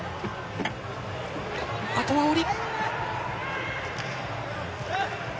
あとは降り。